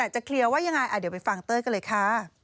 จะเคลียร์ว่ายังไงเดี๋ยวไปฟังเต้ยกันเลยค่ะ